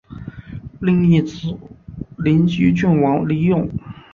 另一子灵溪郡王李咏。